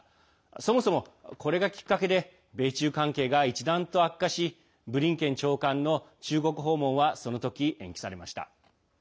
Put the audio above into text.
そもそも、これがきっかけで米中関係が一段と悪化しブリンケン長官の中国訪問はその時、延期されました。